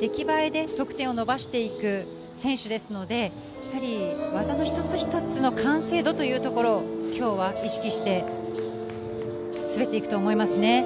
出来栄えで得点を伸ばしていく選手ですので、技の一つ一つの完成度というところを今日は意識して滑っていくと思いますね。